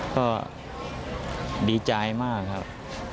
ก็ดีใจมากครับ